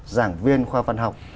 giảng viên khoa văn học